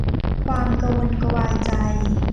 ความกระวนกระวายใจ